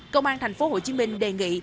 công an thành phố hồ chí minh đề nghị